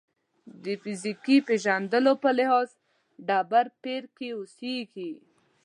د فیزیکي پېژندلو په لحاظ ډبرپېر کې اوسېږي.